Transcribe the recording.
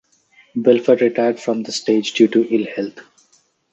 Belfort retired from the stage due to ill health.